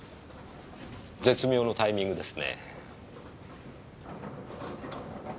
絶妙のタイミングですね。